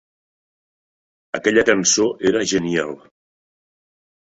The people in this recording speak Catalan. Aquella cançó era genial.